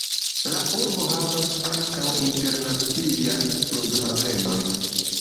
La urbo havas ankaŭ internacian flughavenon.